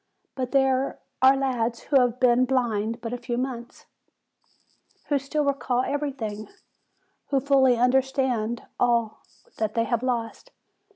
But there are lads who have been blind but a few months, 160 FEBRUARY who still recall everything, who fully understand all that they have lost.